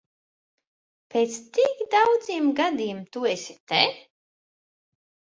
Pēc tik daudziem gadiem tu esi te?